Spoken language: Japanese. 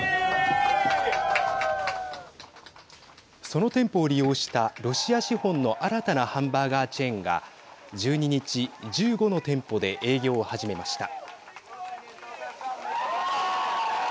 その店舗を利用したロシア資本の新たなハンバーガーチェーンが１２日、１５の店舗で営業を始めました。